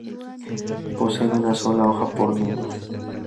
Poseen una sola hoja por nudo.